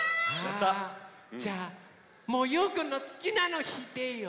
じゃもうゆうくんのすきなのひいていいよ。